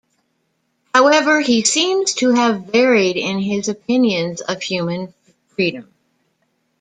However, he seems to have varied in his opinions of human freedom.